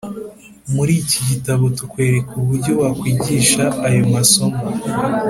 Muri iki gitabo tukwereka uburyo wakwigisha ayo masomo